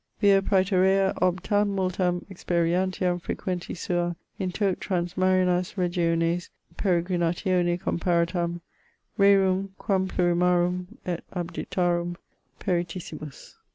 Vir praeterea ob tam multam experientiam frequenti sua in tot transmarinas regiones peregrinatione comparatam, rerum quamplurimarum et abditarum peritissimus.'